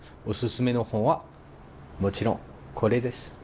おすすめの本はもちろんこれです。